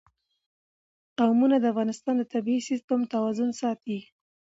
قومونه د افغانستان د طبعي سیسټم توازن ساتي.